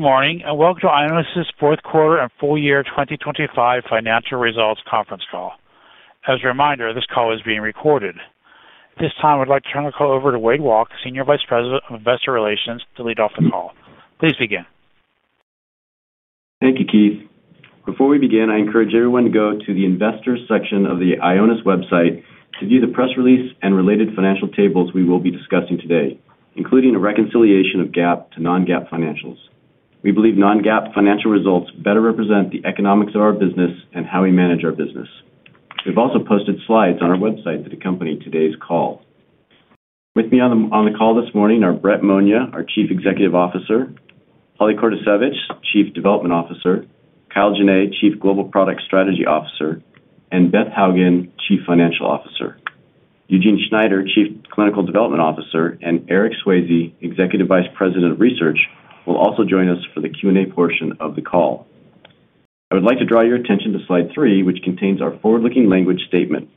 Morning, welcome to Ionis's fourth quarter and full year 2025 financial results conference call. As a reminder, this call is being recorded. At this time, I'd like to turn the call over to Wade Walke, Senior Vice President of Investor Relations, to lead off the call. Please begin. Thank you, Keith. Before we begin, I encourage everyone to go to the investors section of the Ionis website to view the press release and related financial tables we will be discussing today, including a reconciliation of GAAP to non-GAAP financials. We believe non-GAAP financial results better represent the economics of our business and how we manage our business. We've also posted slides on our website that accompany today's call. With me on the call this morning are Brett Monia, our Chief Executive Officer, Holly Kordasiewicz, Chief Development Officer, Kyle Jenne, Chief Global Product Strategy Officer, and Beth Hougen, Chief Financial Officer. Eugene Schneider, Chief Clinical Development Officer, and Eric Swayze, Executive Vice President of Research, will also join us for the Q&A portion of the call. I would like to draw your attention to slide 3, which contains our forward-looking language statement.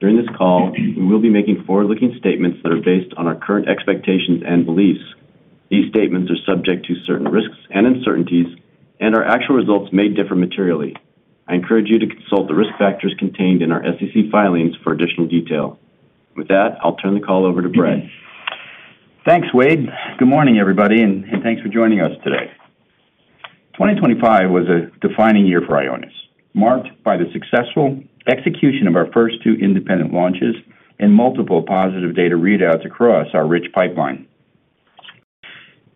During this call, we will be making forward-looking statements that are based on our current expectations and beliefs. These statements are subject to certain risks and uncertainties, and our actual results may differ materially. I encourage you to consult the risk factors contained in our SEC filings for additional detail. With that, I'll turn the call over to Brett. Thanks, Wade. Good morning, everybody, and thanks for joining us today. 2025 was a defining year for Ionis, marked by the successful execution of our first 2 independent launches and multiple positive data readouts across our rich pipeline.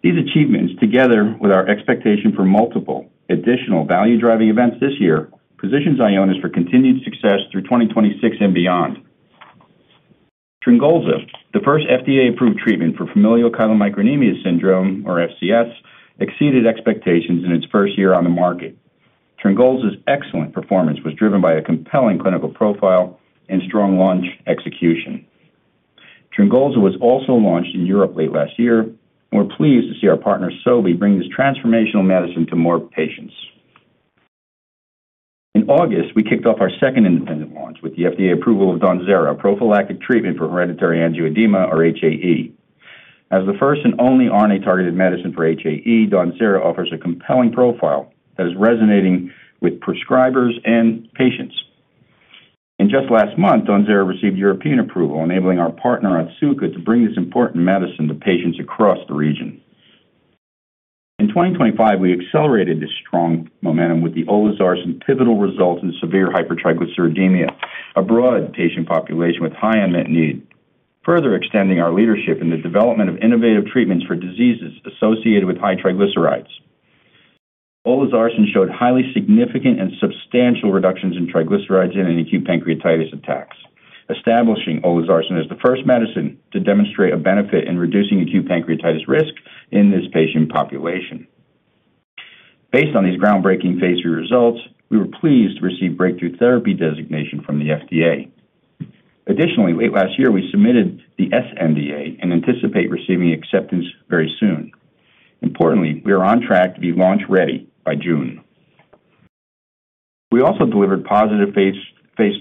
These achievements, together with our expectation for multiple additional value-driving events this year, positions Ionis for continued success through 2026 and beyond. TRYNGOLZA, the first FDA-approved treatment for familial chylomicronemia syndrome, or FCS, exceeded expectations in its first year on the market. TRYNGOLZA's excellent performance was driven by a compelling clinical profile and strong launch execution. TRYNGOLZA was also launched in Europe late last year. We're pleased to see our partner, Sobi, bring this transformational medicine to more patients. In August, we kicked off our second independent launch with the FDA approval of DAWNZERA, a prophylactic treatment for hereditary angioedema, or HAE. As the first and only RNA-targeted medicine for HAE, DAWNZERA offers a compelling profile that is resonating with prescribers and patients. Just last month, DAWNZERA received European approval, enabling our partner, Otsuka, to bring this important medicine to patients across the region. In 2025, we accelerated this strong momentum with the Olezarsen pivotal results in severe hypertriglyceridemia, a broad patient population with high unmet need, further extending our leadership in the development of innovative treatments for diseases associated with high triglycerides. Olezarsen showed highly significant and substantial reductions in triglycerides and in acute pancreatitis attacks, establishing Olezarsen as the first medicine to demonstrate a benefit in reducing acute pancreatitis risk in this patient population. Based on these groundbreaking phase 3 results, we were pleased to receive breakthrough therapy designation from the FDA. Additionally, late last year, we submitted the sNDA and anticipate receiving acceptance very soon. Importantly, we are on track to be launch-ready by June. We also delivered positive phase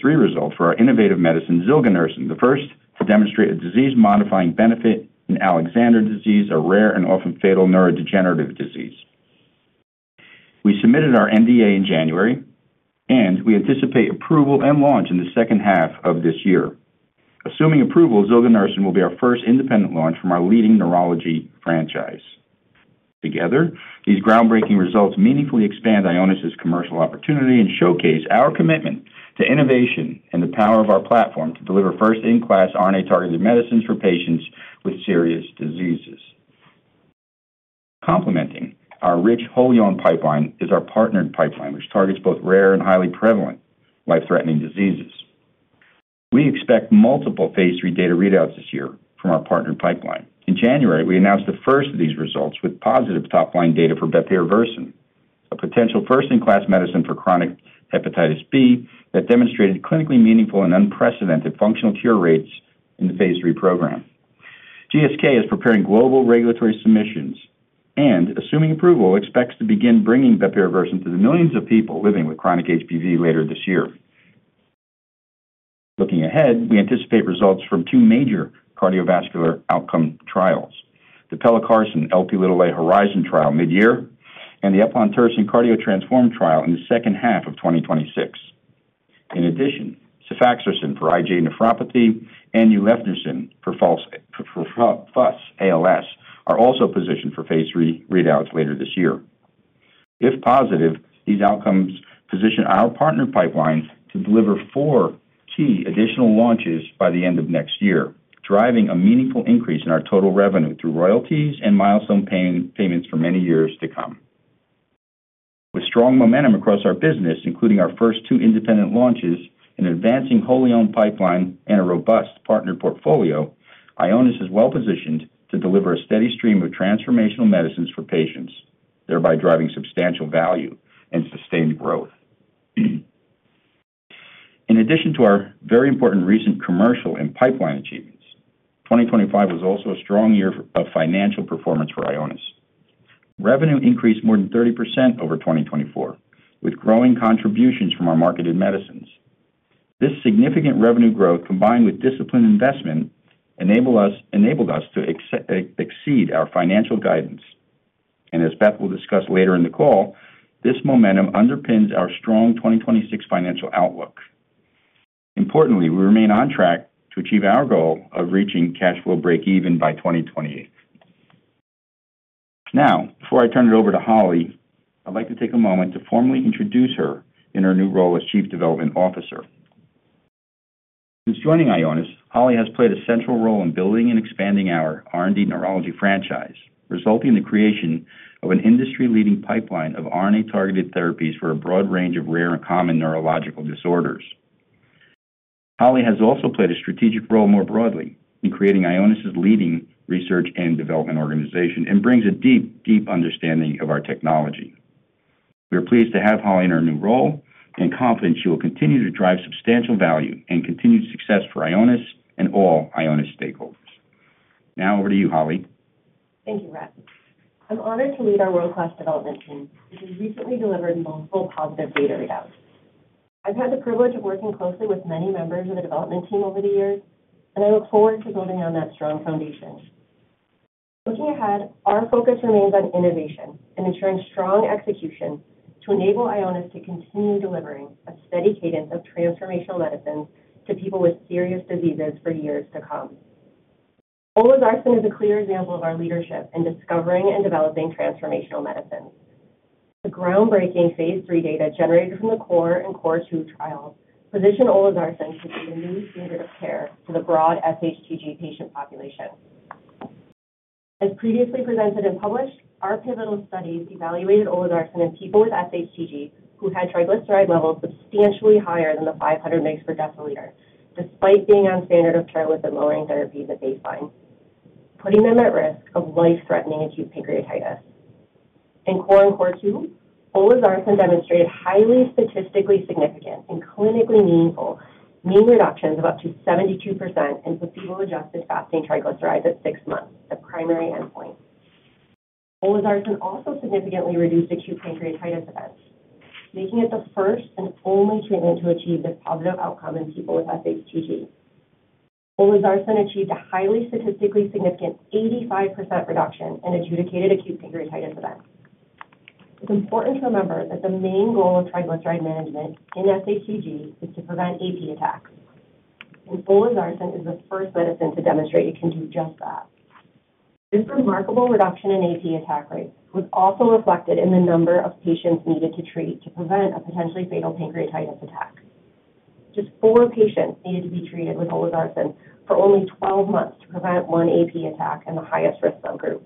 3 results for our innovative medicine, zilganersen, the first to demonstrate a disease-modifying benefit in Alexander disease, a rare and often fatal neurodegenerative disease. We submitted our NDA in January. We anticipate approval and launch in the second half of this year. Assuming approval, zilganersen will be our first independent launch from our leading neurology franchise. Together, these groundbreaking results meaningfully expand Ionis' commercial opportunity and showcase our commitment to innovation and the power of our platform to deliver first-in-class RNA-targeted medicines for patients with serious diseases. Complementing our rich whole-gene pipeline is our partnered pipeline, which targets both rare and highly prevalent life-threatening diseases. We expect multiple phase 3 data readouts this year from our partnered pipeline. In January, we announced the first of these results with positive top-line data for Bepirovirsen, a potential first-in-class medicine for chronic hepatitis B that demonstrated clinically meaningful and unprecedented functional cure rates in the phase 3 program. GSK is preparing global regulatory submissions and, assuming approval, expects to begin bringing Bepirovirsen to the millions of people living with chronic HBV later this year. Looking ahead, we anticipate results from two major cardiovascular outcome trials. The Pelacarsen Lp(a) HORIZON trial mid-year and the Eplontersen CARDIO-TTRansform trial in the second half of 2026. In addition, Sofosersen for IgA nephropathy and Ulefnersen for FUS-ALS are also positioned for phase 3 readouts later this year. If positive, these outcomes position our partner pipeline to deliver 4 key additional launches by the end of next year, driving a meaningful increase in our total revenue through royalties and milestone paying, payments for many years to come. With strong momentum across our business, including our first two independent launches, an advancing wholly owned pipeline, and a robust partnered portfolio, Ionis is well positioned to deliver a steady stream of transformational medicines for patients, thereby driving substantial value and sustained growth. In addition to our very important recent commercial and pipeline achievements, 2025 was also a strong year of financial performance for Ionis. Revenue increased more than 30% over 2024, with growing contributions from our marketed medicines.... This significant revenue growth, combined with disciplined investment, enabled us to exceed our financial guidance. As Beth will discuss later in the call, this momentum underpins our strong 2026 financial outlook. Importantly, we remain on track to achieve our goal of reaching cash flow breakeven by 2028. Now, before I turn it over to Holly, I'd like to take a moment to formally introduce her in her new role as Chief Development Officer. Since joining Ionis, Holly has played a central role in building and expanding our R&D neurology franchise, resulting in the creation of an industry-leading pipeline of RNA-targeted therapies for a broad range of rare and common neurological disorders. Holly has also played a strategic role more broadly in creating Ionis's leading research and development organization and brings a deep understanding of our technology. We are pleased to have Holly in her new role and confident she will continue to drive substantial value and continued success for Ionis and all Ionis stakeholders. Over to you, Holly. Thank you, Brett. I'm honored to lead our world-class development team, which has recently delivered multiple positive data readouts. I've had the privilege of working closely with many members of the development team over the years, and I look forward to building on that strong foundation. Looking ahead, our focus remains on innovation and ensuring strong execution to enable Ionis to continue delivering a steady cadence of transformational medicines to people with serious diseases for years to come. Olezarsen is a clear example of our leadership in discovering and developing transformational medicines. The groundbreaking Phase 3 data generated from the CORE and CORE2 trials position Olezarsen to be the new standard of care for the broad sHTG patient population. As previously presented and published, our pivotal studies evaluated Olezarsen in people with sHTG who had triglyceride levels substantially higher than the 500 mgs per deciliter, despite being on standard of care with the lowering therapy that they find, putting them at risk of life-threatening acute pancreatitis. In CORE and CORE2, Olezarsen demonstrated highly statistically significant and clinically meaningful mean reductions of up to 72% in placebo-adjusted fasting triglycerides at six months, the primary endpoint. Olezarsen also significantly reduced acute pancreatitis events, making it the first and only treatment to achieve this positive outcome in people with sHTG. Olezarsen achieved a highly statistically significant 85% reduction in adjudicated acute pancreatitis events. It's important to remember that the main goal of triglyceride management in sHTG is to prevent AP attacks, and Olezarsen is the first medicine to demonstrate it can do just that. This remarkable reduction in AP attack rates was also reflected in the number of patients needed to treat to prevent a potentially fatal pancreatitis attack. Just 4 patients needed to be treated with Olezarsen for only 12 months to prevent 1 AP attack in the highest risk subgroup.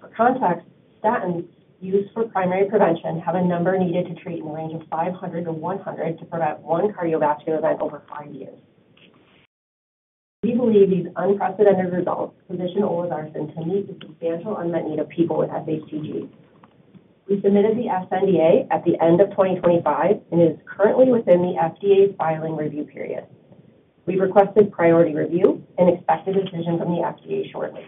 For context, statins used for primary prevention have a number needed to treat in the range of 500 to 100 to prevent 1 cardiovascular event over 5 years. We believe these unprecedented results position Olezarsen to meet the substantial unmet need of people with sHTG. We submitted the sNDA at the end of 2025 and is currently within the FDA's filing review period. We've requested priority review and expect a decision from the FDA shortly.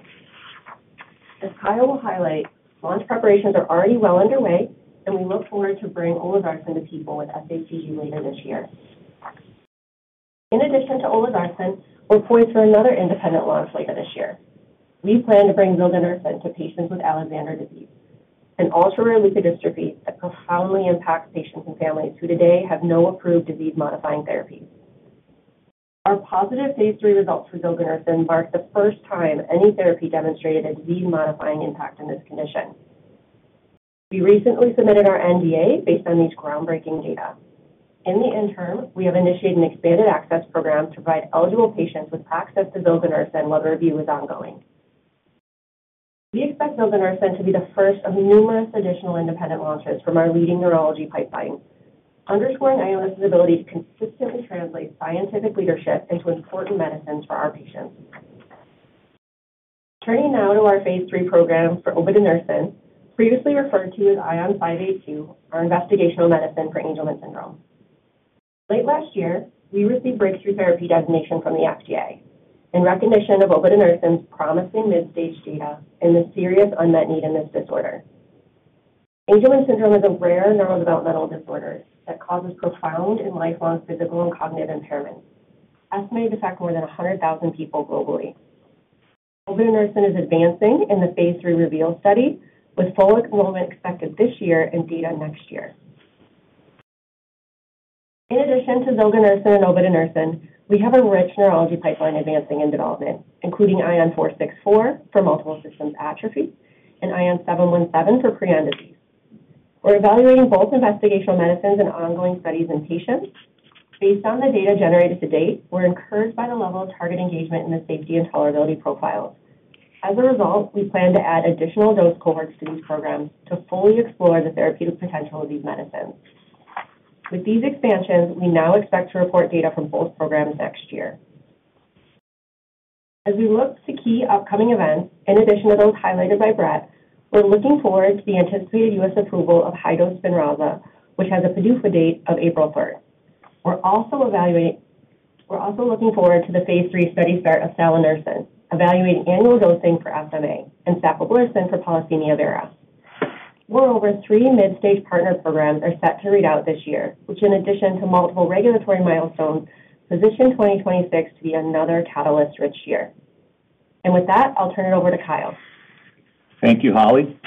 As Kyle will highlight, launch preparations are already well underway, and we look forward to bringing Olezarsen to people with sHTG later this year. In addition to Olezarsen, we're poised for another independent launch later this year. We plan to bring zilganersen to patients with Alexander disease, an ultra-rare leukodystrophy that profoundly impacts patients and families who today have no approved disease-modifying therapies. Our positive Phase 3 results for zilganersen marked the first time any therapy demonstrated a disease-modifying impact on this condition. We recently submitted our NDA based on these groundbreaking data. In the interim, we have initiated an expanded access program to provide eligible patients with access to zilganersen while the review is ongoing. We expect zilganersen to be the first of numerous additional independent launches from our leading neurology pipeline, underscoring Ionis's ability to consistently translate scientific leadership into important medicines for our patients. Turning now to our Phase 3 program for Obidutersen, previously referred to as ION582, our investigational medicine for Angelman syndrome. Late last year, we received breakthrough therapy designation from the FDA in recognition of Obidutersen's promising mid-stage data and the serious unmet need in this disorder. Angelman syndrome is a rare neurodevelopmental disorder that causes profound and lifelong physical and cognitive impairment, estimated to affect more than 100,000 people globally. Obidutersen is advancing in the phase 3 REVEAL study, with full enrollment expected this year and data next year. In addition to Zolgensma and Obidutersen, we have a rich neurology pipeline advancing in development, including ION 四六四 for multiple system atrophy and ION 七一七 for Prion disease. We're evaluating both investigational medicines and ongoing studies in patients. Based on the data generated to date, we're encouraged by the level of target engagement and the safety and tolerability profiles. As a result, we plan to add additional dose cohorts to these programs to fully explore the therapeutic potential of these medicines. With these expansions, we now expect to report data from both programs next year. As we look to key upcoming events, in addition to those highlighted by Brett, we're looking forward to the anticipated U.S. approval of high-dose Spinraza, which has a PDUFA date of April 3rd. We're also looking forward to the phase 3 study start of salanersen, evaluating annual dosing for SMA and Sapagluclin for polycythemia vera. Moreover, three mid-stage partner programs are set to read out this year, which in addition to multiple regulatory milestones, position 2026 to be another catalyst-rich year. With that, I'll turn it over to Kyle. Thank you, Holly.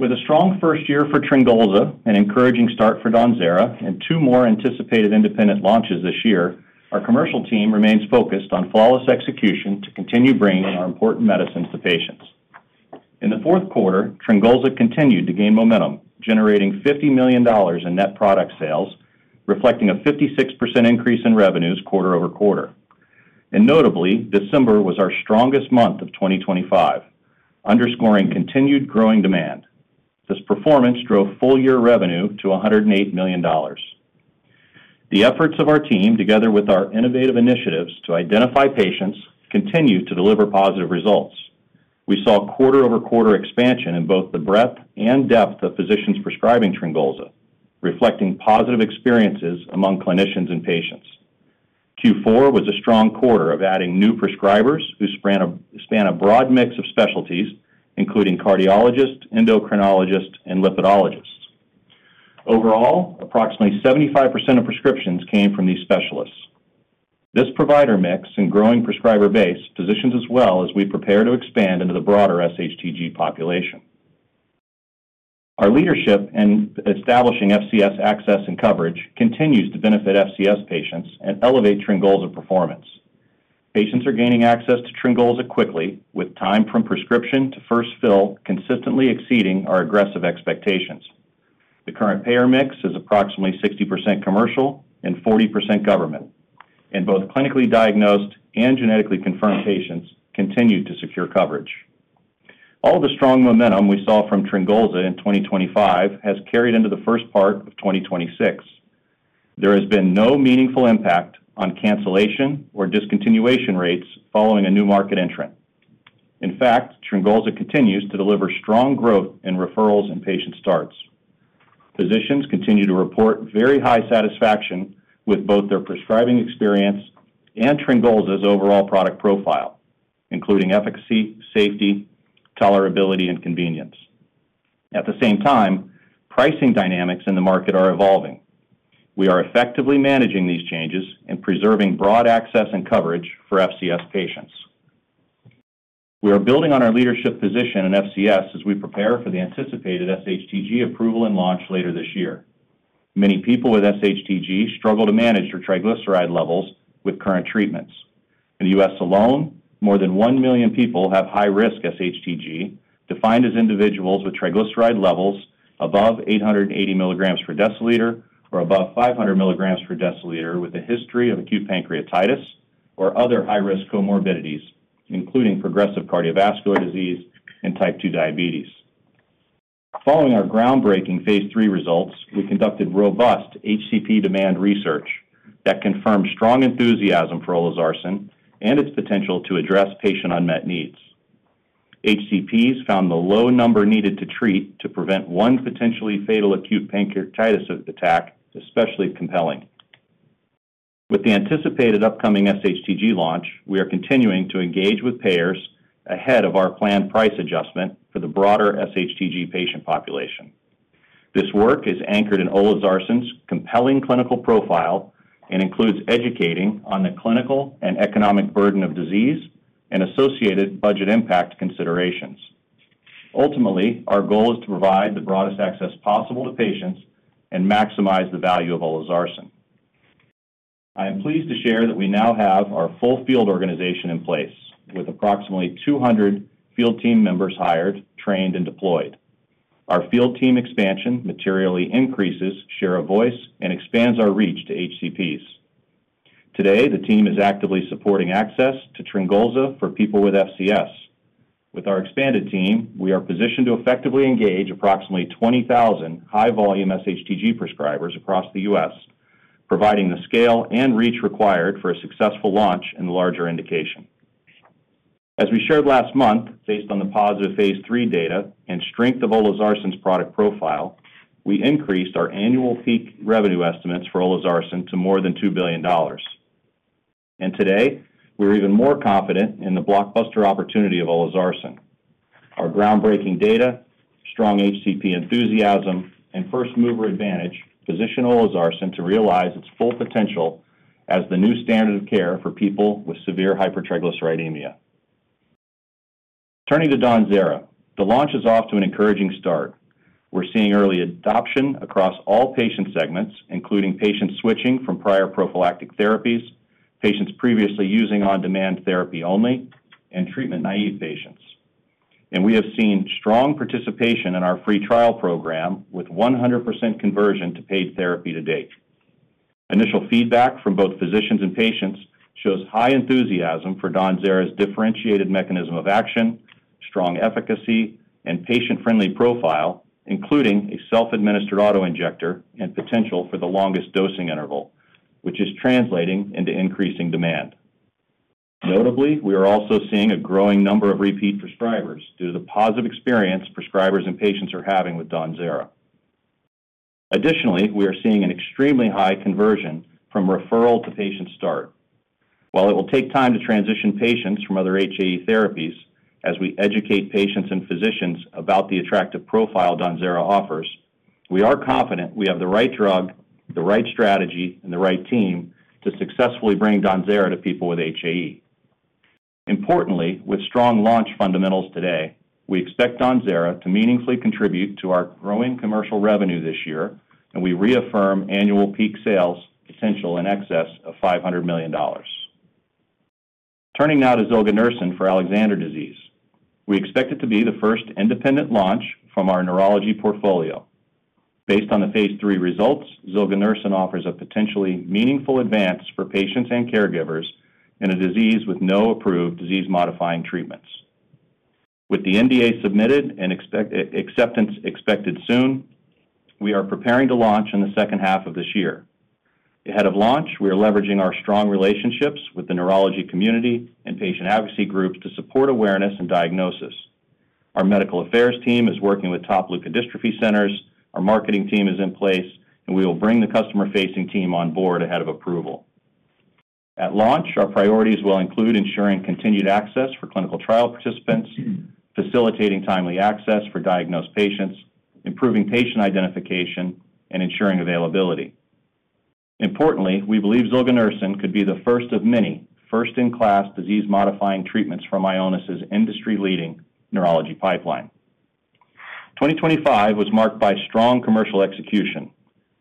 With a strong first year for TRYNGOLZA, an encouraging start for DAWNZERA, and two more anticipated independent launches this year, our commercial team remains focused on flawless execution to continue bringing our important medicines to patients. In the fourth quarter, TRYNGOLZA continued to gain momentum, generating $50 million in net product sales, reflecting a 56% increase in revenues quarter-over-quarter. Notably, December was our strongest month of 2025, underscoring continued growing demand. This performance drove full year revenue to $108 million. The efforts of our team, together with our innovative initiatives to identify patients, continue to deliver positive results. We saw quarter-over-quarter expansion in both the breadth and depth of physicians prescribing TRYNGOLZA, reflecting positive experiences among clinicians and patients. Q4 was a strong quarter of adding new prescribers who span a broad mix of specialties, including cardiologists, endocrinologists, and lipidologists. Overall, approximately 75% of prescriptions came from these specialists. This provider mix and growing prescriber base positions us well as we prepare to expand into the broader sHTG population. Our leadership in establishing FCS access and coverage continues to benefit FCS patients and elevate TRYNGOLZA performance. Patients are gaining access to TRYNGOLZA quickly, with time from prescription to first fill consistently exceeding our aggressive expectations. The current payer mix is approximately 60% commercial and 40% government, and both clinically diagnosed and genetically confirmed patients continue to secure coverage. All the strong momentum we saw from TRYNGOLZA in 2025 has carried into the first part of 2026. There has been no meaningful impact on cancellation or discontinuation rates following a new market entrant. In fact, TRYNGOLZA continues to deliver strong growth in referrals and patient starts. Physicians continue to report very high satisfaction with both their prescribing experience and TRYNGOLZA's overall product profile, including efficacy, safety, tolerability, and convenience. At the same time, pricing dynamics in the market are evolving. We are effectively managing these changes and preserving broad access and coverage for FCS patients. We are building on our leadership position in FCS as we prepare for the anticipated sHTG approval and launch later this year. Many people with sHTG struggle to manage their triglyceride levels with current treatments. In the U.S. alone, more than 1 million people have high risk sHTG, defined as individuals with triglyceride levels above 880 milligrams per deciliter or above 500 milligrams per deciliter with a history of acute pancreatitis or other high-risk comorbidities, including progressive cardiovascular disease and type 2 diabetes. Following our groundbreaking Phase 3 results, we conducted robust HCP demand research that confirmed strong enthusiasm for olezarsen and its potential to address patient unmet needs. HCPs found the low number needed to treat to prevent one potentially fatal acute pancreatitis attack, especially compelling. With the anticipated upcoming sHTG launch, we are continuing to engage with payers ahead of our planned price adjustment for the broader sHTG patient population. This work is anchored in olezarsen's compelling clinical profile and includes educating on the clinical and economic burden of disease and associated budget impact considerations. Ultimately, our goal is to provide the broadest access possible to patients and maximize the value of olezarsen. I am pleased to share that we now have our full field organization in place, with approximately 200 field team members hired, trained, and deployed. Our field team expansion materially increases share of voice and expands our reach to HCPs. Today, the team is actively supporting access to TRYNGOLZA for people with FCS. With our expanded team, we are positioned to effectively engage approximately 20,000 high-volume sHTG prescribers across the U.S., providing the scale and reach required for a successful launch in the larger indication. As we shared last month, based on the positive phase 3 data and strength of olezarsen's product profile, we increased our annual peak revenue estimates for olezarsen to more than $2 billion. Today, we're even more confident in the blockbuster opportunity of olezarsen. Our groundbreaking data, strong HCP enthusiasm, and first-mover advantage position olezarsen to realize its full potential as the new standard of care for people with severe hypertriglyceridemia. Turning to DAWNZERA, the launch is off to an encouraging start. We're seeing early adoption across all patient segments, including patients switching from prior prophylactic therapies, patients previously using on-demand therapy only, and treatment-naive patients. We have seen strong participation in our free trial program, with 100% conversion to paid therapy to date. Initial feedback from both physicians and patients shows high enthusiasm for DAWNZERA's differentiated mechanism of action, strong efficacy, and patient-friendly profile, including a self-administered auto-injector and potential for the longest dosing interval, which is translating into increasing demand. Notably, we are also seeing a growing number of repeat prescribers due to the positive experience prescribers and patients are having with DAWNZERA. Additionally, we are seeing an extremely high conversion from referral to patient start. While it will take time to transition patients from other HAE therapies, as we educate patients and physicians about the attractive profile DAWNZERA offers, we are confident we have the right drug, the right strategy, and the right team to successfully bring DAWNZERA to people with HAE. Importantly, with strong launch fundamentals today, we expect DAWNZERA to meaningfully contribute to our growing commercial revenue this year, and we reaffirm annual peak sales potential in excess of $500 million. Turning now to zilganersen for Alexander disease. We expect it to be the first independent launch from our neurology portfolio. Based on the Phase 3 results, zilganersen offers a potentially meaningful advance for patients and caregivers in a disease with no approved disease-modifying treatments. With the NDA submitted and acceptance expected soon, we are preparing to launch in the second half of this year. Ahead of launch, we are leveraging our strong relationships with the neurology community and patient advocacy groups to support awareness and diagnosis. Our medical affairs team is working with top leukodystrophy centers, our marketing team is in place, we will bring the customer-facing team on board ahead of approval. At launch, our priorities will include ensuring continued access for clinical trial participants, facilitating timely access for diagnosed patients, improving patient identification, and ensuring availability. Importantly, we believe zilganersen could be the first of many first-in-class, disease-modifying treatments from Ionis' industry-leading neurology pipeline. 2025 was marked by strong commercial execution.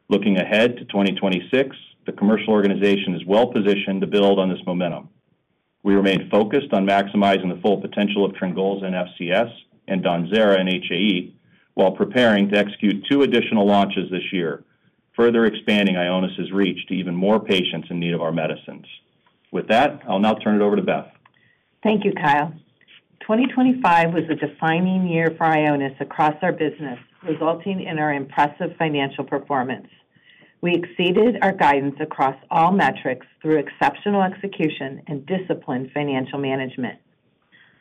Looking ahead to 2026, the commercial organization is well-positioned to build on this momentum. We remain focused on maximizing the full potential of TRYNGOLZA in FCS and DAWNZERA in HAE, while preparing to execute two additional launches this year, further expanding Ionis' reach to even more patients in need of our medicines. With that, I'll now turn it over to Beth. Thank you, Kyle. 2025 was a defining year for Ionis across our business, resulting in our impressive financial performance. We exceeded our guidance across all metrics through exceptional execution and disciplined financial management.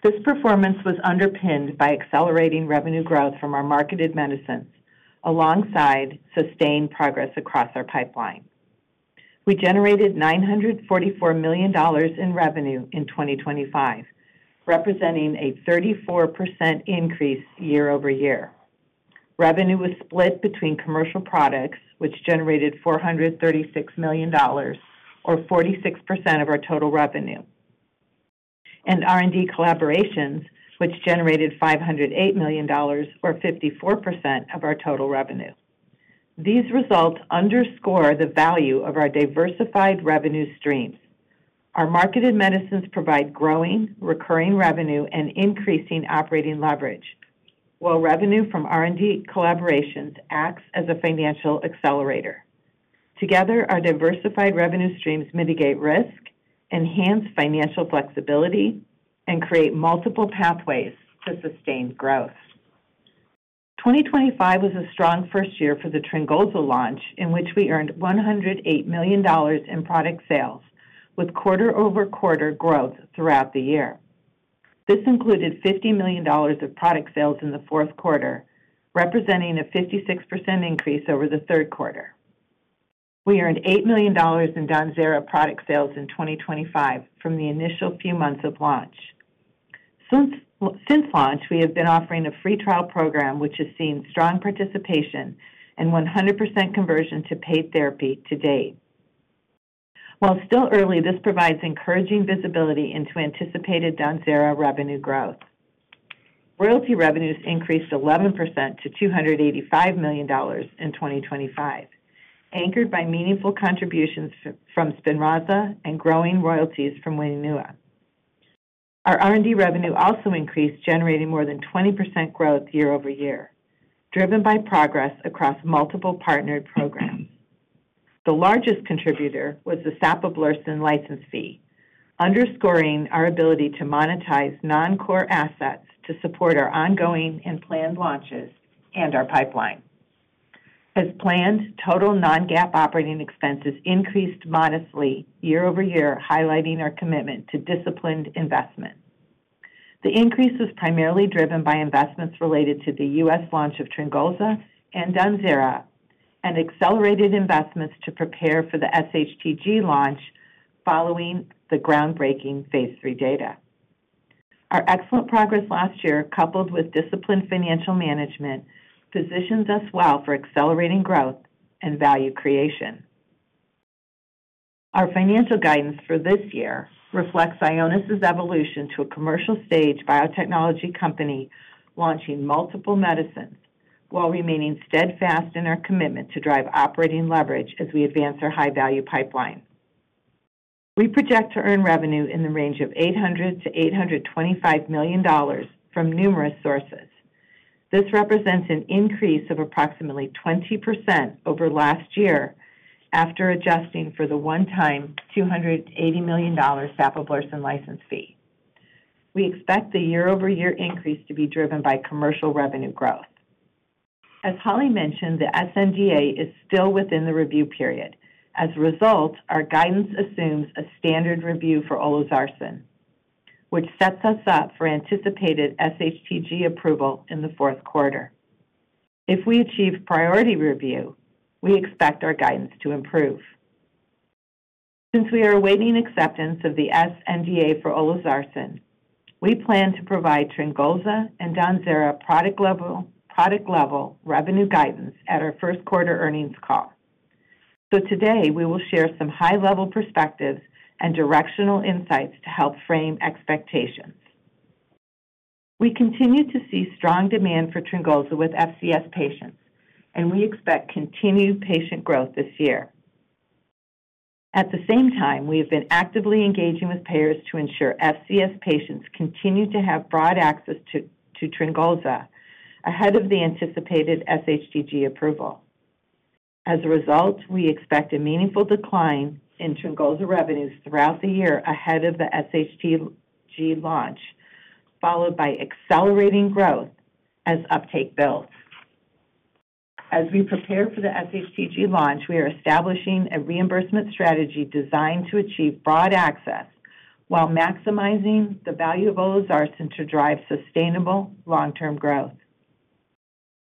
This performance was underpinned by accelerating revenue growth from our marketed medicines, alongside sustained progress across our pipeline. We generated $944 million in revenue in 2025, representing a 34% increase year-over-year. Revenue was split between commercial products, which generated $436 million, or 46% of our total revenue, and R&D collaborations, which generated $508 million, or 54% of our total revenue. These results underscore the value of our diversified revenue streams. Our marketed medicines provide growing, recurring revenue and increasing operating leverage, while revenue from R&D collaborations acts as a financial accelerator. Together, our diversified revenue streams mitigate risk, enhance financial flexibility, and create multiple pathways to sustained growth. 2025 was a strong first year for the TRYNGOLZA launch, in which we earned $108 million in product sales, with quarter-over-quarter growth throughout the year. This included $50 million of product sales in the fourth quarter, representing a 56% increase over the third quarter. We earned $8 million in DAWNZERA product sales in 2025 from the initial few months of launch. Since launch, we have been offering a free trial program, which has seen strong participation and 100% conversion to paid therapy to date. While still early, this provides encouraging visibility into anticipated DAWNZERA revenue growth. Royalty revenues increased 11% to $285 million in 2025, anchored by meaningful contributions from Spinraza and growing royalties from Waylivra. Our R&D revenue also increased, generating more than 20% growth year-over-year, driven by progress across multiple partnered programs. The largest contributor was the sapablursen license fee, underscoring our ability to monetize non-core assets to support our ongoing and planned launches and our pipeline. As planned, total non-GAAP operating expenses increased modestly year-over-year, highlighting our commitment to disciplined investment. The increase was primarily driven by investments related to the U.S. launch of TRYNGOLZA and DAWNZERA, and accelerated investments to prepare for the sHTG launch following the groundbreaking phase III data. Our excellent progress last year, coupled with disciplined financial management, positions us well for accelerating growth and value creation. Our financial guidance for this year reflects Ionis' evolution to a commercial-stage biotechnology company, launching multiple medicines while remaining steadfast in our commitment to drive operating leverage as we advance our high-value pipeline. We project to earn revenue in the range of $800 million-$825 million from numerous sources. This represents an increase of approximately 20% over last year after adjusting for the one-time $280 million sapablursen license fee. We expect the year-over-year increase to be driven by commercial revenue growth. As Holly mentioned, the sNDA is still within the review period. As a result, our guidance assumes a standard review for Olezarsen, which sets us up for anticipated sHTG approval in the fourth quarter. If we achieve priority review, we expect our guidance to improve. Since we are awaiting acceptance of the sNDA for Olezarsen, we plan to provide TRYNGOLZA and DAWNZERA product level revenue guidance at our first quarter earnings call. Today, we will share some high-level perspectives and directional insights to help frame expectations. We continue to see strong demand for TRYNGOLZA with FCS patients, and we expect continued patient growth this year. At the same time, we have been actively engaging with payers to ensure FCS patients continue to have broad access to TRYNGOLZA ahead of the anticipated sHTG approval. As a result, we expect a meaningful decline in TRYNGOLZA revenues throughout the year ahead of the sHTG launch, followed by accelerating growth as uptake builds. As we prepare for the sHTG launch, we are establishing a reimbursement strategy designed to achieve broad access while maximizing the value of Olezarsen to drive sustainable long-term growth.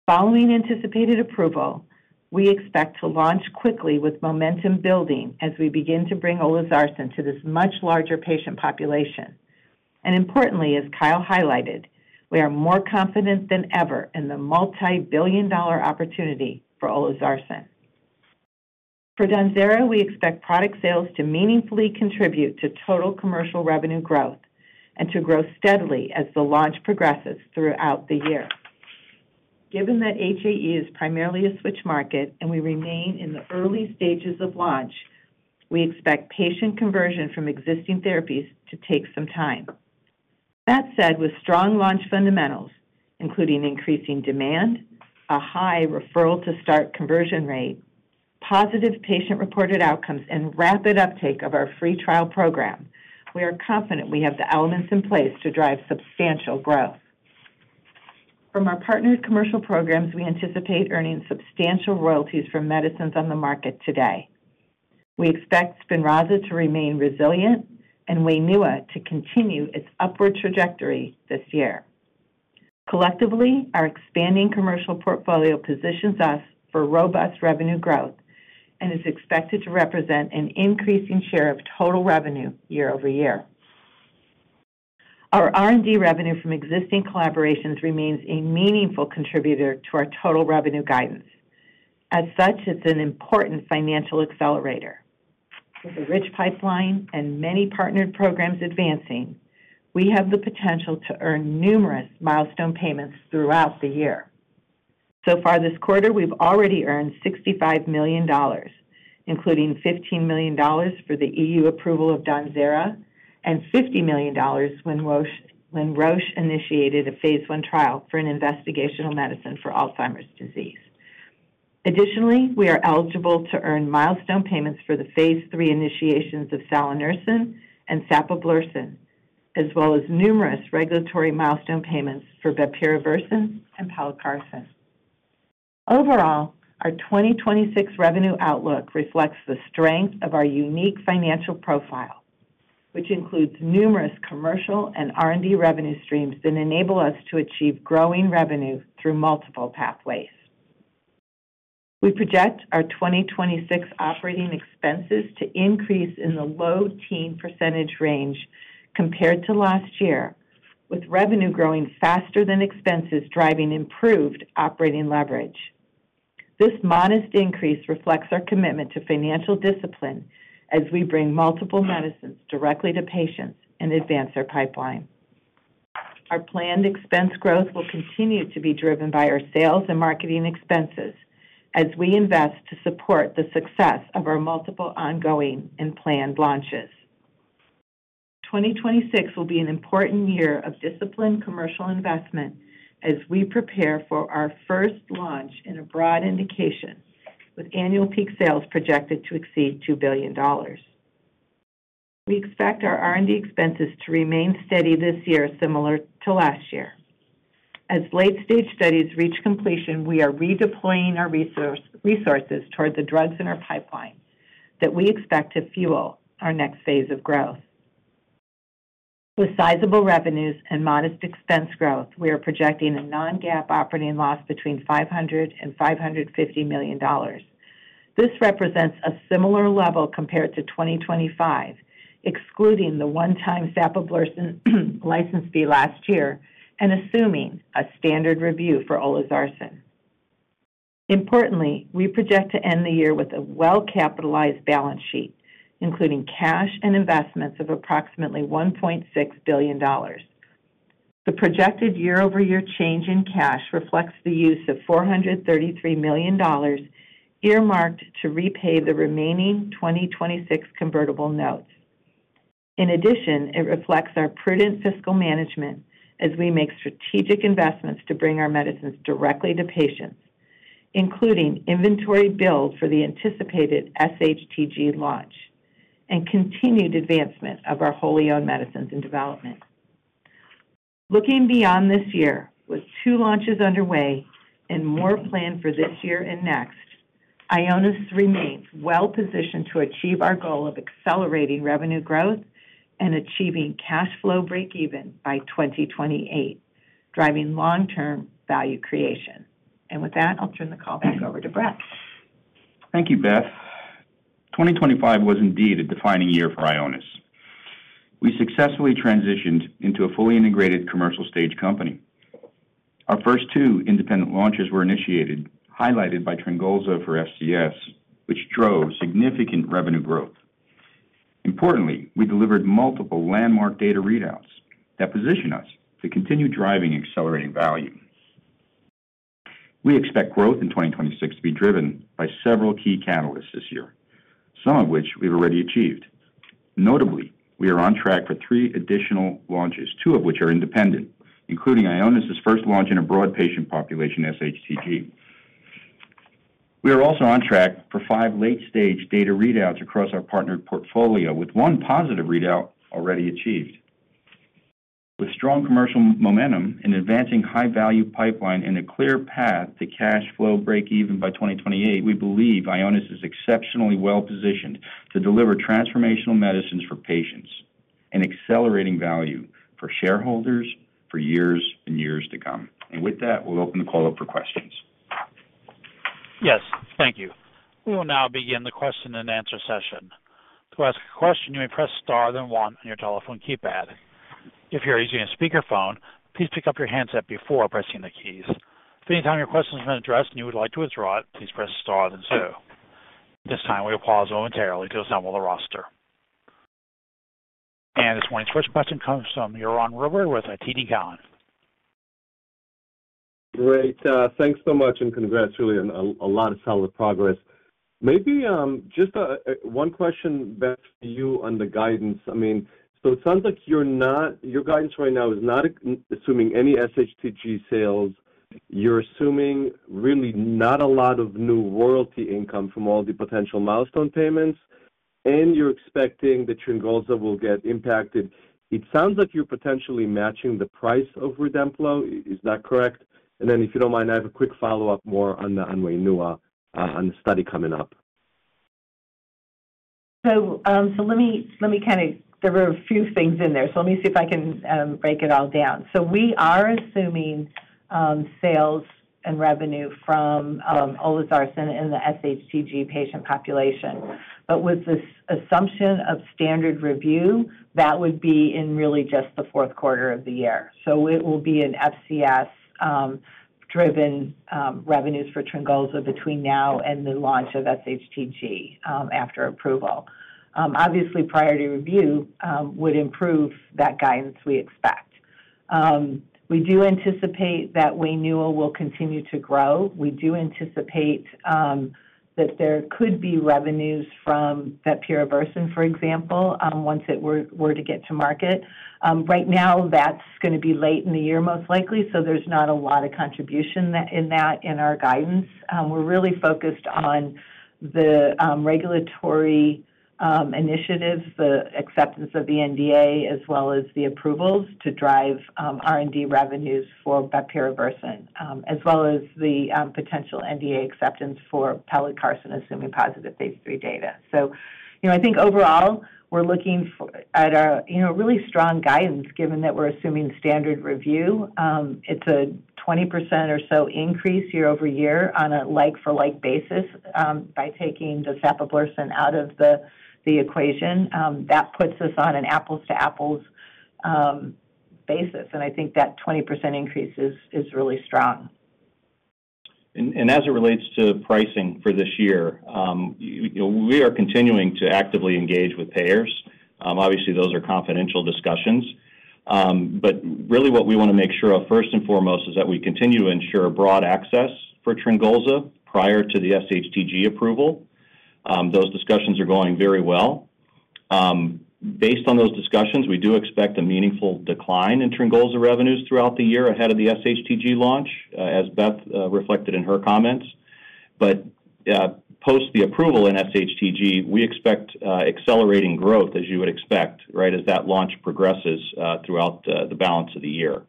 Following anticipated approval, we expect to launch quickly with momentum building as we begin to bring Olezarsen to this much larger patient population. Importantly, as Kyle highlighted, we are more confident than ever in the multi-billion dollar opportunity for Olezarsen. For DAWNZERA, we expect product sales to meaningfully contribute to total commercial revenue growth and to grow steadily as the launch progresses throughout the year. Given that HAE is primarily a switch market and we remain in the early stages of launch, we expect patient conversion from existing therapies to take some time. That said, with strong launch fundamentals, including increasing demand, a high referral-to-start conversion rate, positive patient-reported outcomes, and rapid uptake of our free trial program, we are confident we have the elements in place to drive substantial growth. From our partnered commercial programs, we anticipate earning substantial royalties from medicines on the market today. We expect Spinraza to remain resilient and WAINUA to continue its upward trajectory this year. Collectively, our expanding commercial portfolio positions us for robust revenue growth and is expected to represent an increasing share of total revenue year-over-year. Our R&D revenue from existing collaborations remains a meaningful contributor to our total revenue guidance. As such, it's an important financial accelerator. With a rich pipeline and many partnered programs advancing, we have the potential to earn numerous milestone payments throughout the year. Far this quarter, we've already earned $65 million, including $15 million for the EU approval of DAWNZERA and $50 million when Roche initiated a phase I trial for an investigational medicine for Alzheimer's disease. Additionally, we are eligible to earn milestone payments for the Phase 3 initiations of salanersen and Sapablursen, as well as numerous regulatory milestone payments for Bepirovirsen and Pelacarsen. Overall, our 2026 revenue outlook reflects the strength of our unique financial profile, which includes numerous commercial and R&D revenue streams that enable us to achieve growing revenue through multiple pathways. We project our 2026 operating expenses to increase in the low-teen % range compared to last year, with revenue growing faster than expenses, driving improved operating leverage. This modest increase reflects our commitment to financial discipline as we bring multiple medicines directly to patients and advance our pipeline. Our planned expense growth will continue to be driven by our sales and marketing expenses as we invest to support the success of our multiple ongoing and planned launches. 2026 will be an important year of disciplined commercial investment as we prepare for our first launch in a broad indication, with annual peak sales projected to exceed $2 billion. We expect our R&D expenses to remain steady this year, similar to last year. As late-stage studies reach completion, we are redeploying our resources toward the drugs in our pipeline that we expect to fuel our next phase of growth. With sizable revenues and modest expense growth, we are projecting a non-GAAP operating loss between $500 million-$550 million. This represents a similar level compared to 2025, excluding the one-time sapablursen license fee last year and assuming a standard review for olezarsen. Importantly, we project to end the year with a well-capitalized balance sheet, including cash and investments of approximately $1.6 billion. The projected year-over-year change in cash reflects the use of $433 million, earmarked to repay the remaining 2026 convertible notes. In addition, it reflects our prudent fiscal management as we make strategic investments to bring our medicines directly to patients, including inventory build for the anticipated sHTG launch and continued advancement of our wholly owned medicines in development. Looking beyond this year, with two launches underway and more planned for this year and next, Ionis remains well-positioned to achieve our goal of accelerating revenue growth and achieving cash flow breakeven by 2028, driving long-term value creation. With that, I'll turn the call back over to Brett. Thank you, Beth. 2025 was indeed a defining year for Ionis. We successfully transitioned into a fully integrated commercial stage company. Our first 2 independent launches were initiated, highlighted by TRYNGOLZA for FCS, which drove significant revenue growth. Importantly, we delivered multiple landmark data readouts that position us to continue driving accelerating value. We expect growth in 2026 to be driven by several key catalysts this year, some of which we've already achieved. Notably, we are on track for 3 additional launches, 2 of which are independent, including Ionis's first launch in a broad patient population, sHTG. We are also on track for 5 late-stage data readouts across our partnered portfolio, with 1 positive readout already achieved. With strong commercial momentum and advancing high-value pipeline, and a clear path to cash flow breakeven by 2028, we believe Ionis is exceptionally well-positioned to deliver transformational medicines for patients and accelerating value for shareholders for years and years to come. With that, we'll open the call up for questions. Yes, thank you. We will now begin the question-and-answer session. To ask a question, you may press star, then 1 on your telephone keypad. If you're using a speakerphone, please pick up your handset before pressing the keys. If anytime your question has been addressed and you would like to withdraw it, please press star then 2. At this time, we will pause momentarily to assemble the roster. This morning's first question comes from Yaron Gerber with TD Cowen. Great. Thanks so much and congrats, really, on a lot of solid progress. Maybe, just, one question back to you on the guidance. I mean, so it sounds like your guidance right now is not assuming any sHTG sales. You're assuming really not a lot of new royalty income from all the potential milestone payments, and you're expecting the TRYNGOLZA will get impacted. It sounds like you're potentially matching the price of Rydemplo. Is that correct? If you don't mind, I have a quick follow-up more on the WAINUA, on the study coming up. Let me kind of... There were a few things in there, let me see if I can break it all down. We are assuming sales and revenue from Olezarsen in the sHTG patient population. With this assumption of standard review, that would be in really just the 4th quarter of the year. It will be an FCS driven revenues for TRYNGOLZA between now and the launch of sHTG after approval. Obviously, priority review would improve that guidance we expect. We do anticipate that WAINUA will continue to grow. We do anticipate that there could be revenues from that Bepirovirsen, for example, once it were to get to market. Right now, that's gonna be late in the year, most likely, there's not a lot of contribution that in our guidance. We're really focused on the regulatory initiatives, the acceptance of the NDA, as well as the approvals to drive R&D revenues for Bepirovirsen, as well as the potential NDA acceptance for Pelacarsen, assuming positive Phase 3 data. I think overall, we're looking at a really strong guidance, given that we're assuming standard review. It's a 20% or so increase year-over-year on a like-for-like basis by taking the sapablursen out of the equation. That puts us on an apples-to-apples basis, and I think that 20% increase is really strong. As it relates to pricing for this year, you know, we are continuing to actively engage with payers. Obviously, those are confidential discussions. Really what we want to make sure of, first and foremost, is that we continue to ensure broad access for TRYNGOLZA prior to the sHTG approval. Those discussions are going very well. Based on those discussions, we do expect a meaningful decline in TRYNGOLZA revenues throughout the year ahead of the sHTG launch, as Beth reflected in her comments. Post the approval in sHTG, we expect accelerating growth, as you would expect, right, as that launch progresses throughout the balance of the year.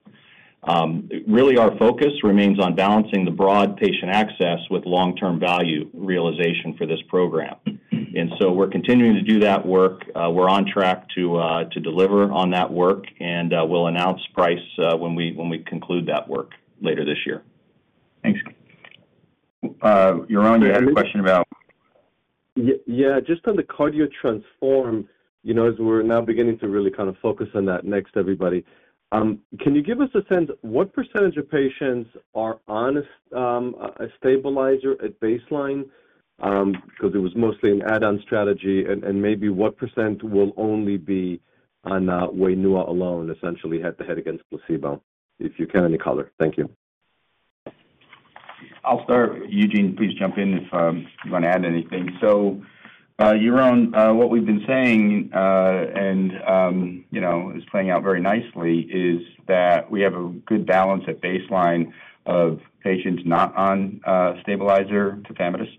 Really, our focus remains on balancing the broad patient access with long-term value realization for this program. We're continuing to do that work. We're on track to deliver on that work, and we'll announce price when we conclude that work later this year. Thanks. Yaron, you had a question about? Yeah, just on the CARDIO-TTRansform, as we're now beginning to really kind of focus on that next, everybody, can you give us a sense, what % of patients are on a stabilizer at baseline? Because it was mostly an add-on strategy. And maybe what % will only be on that WAINUA alone, essentially head-to-head against placebo, if you can, any color? Thank you. I'll start. Eugene, please jump in if you want to add anything. Yaron, what we've been saying, and, you know, is playing out very nicely, is that we have a good balance at baseline of patients not on stabilizer tafamidis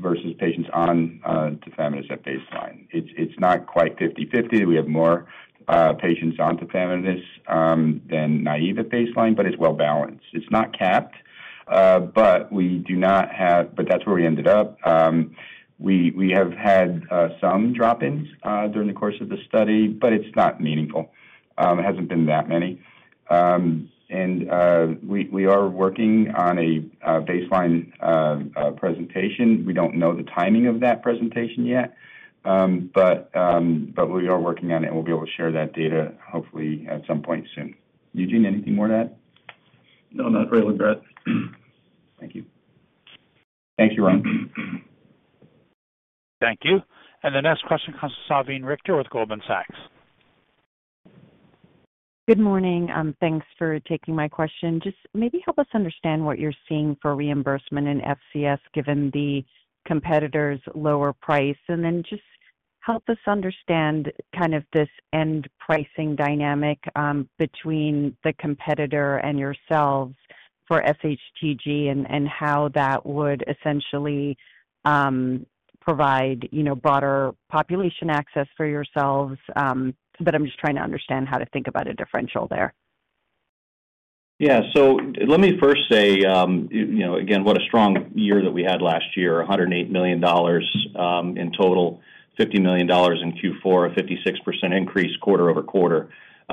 versus patients on tafamidis at baseline. It's not quite 50-50. We have more patients on tafamidis than naive at baseline, but it's well-balanced. It's not capped. That's where we ended up. We have had some drop-ins during the course of the study. It's not meaningful. It hasn't been that many. We are working on a baseline presentation. We don't know the timing of that presentation yet. We are working on it, and we'll be able to share that data hopefully at some point soon. Eugene, anything more to add? No, not really, Brett. Thank you. Thank you, Yaron. Thank you. The next question comes from Salveen Richter with Goldman Sachs. Good morning. Thanks for taking my question. Just maybe help us understand what you're seeing for reimbursement in FCS, given the competitor's lower price, and then just help us understand kind of this end pricing dynamic between the competitor and yourselves for sHTG and how that would essentially provide, you know, broader population access for yourselves. I'm just trying to understand how to think about a differential there. Let me first say, you know, again, what a strong year that we had last year, $108 million in total, $50 million in Q4, a 56% increase quarter-over-quarter.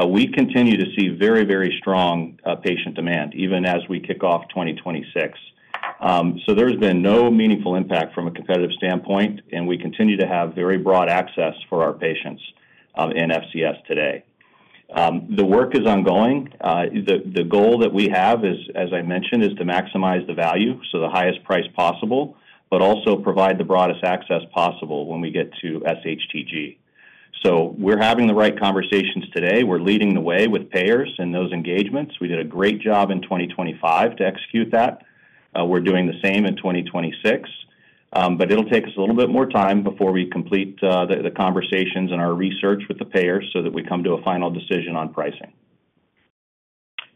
We continue to see very, very strong patient demand, even as we kick off 2026. There's been no meaningful impact from a competitive standpoint, and we continue to have very broad access for our patients in FCS today. The work is ongoing. The goal that we have is, as I mentioned, is to maximize the value, so the highest price possible, but also provide the broadest access possible when we get to sHTG. We're having the right conversations today. We're leading the way with payers and those engagements. We did a great job in 2025 to execute that. We're doing the same in 2026, it'll take us a little bit more time before we complete the conversations and our research with the payers so that we come to a final decision on pricing.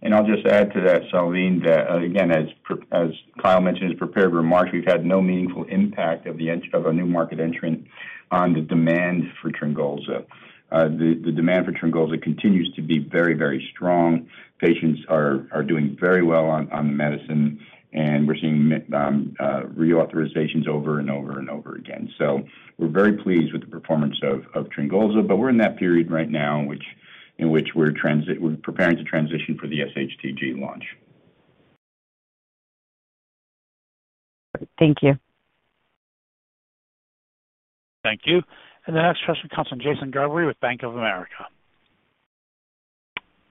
I'll just add to that, Salveen, that, again, as Kyle mentioned in his prepared remarks, we've had no meaningful impact of a new market entrant on the demand for TRYNGOLZA. The demand for TRYNGOLZA continues to be very, very strong. Patients are doing very well on the medicine, and we're seeing reauthorizations over and over and over again. We're very pleased with the performance of TRYNGOLZA, but we're in that period right now, which, in which we're preparing to transition for the sHTG launch. Thank you. Thank you. The next question comes from Jason Gerberry with Bank of America.